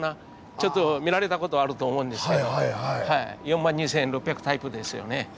ちょっと見られた事はあると思うんですけど４２６００タイプですよね。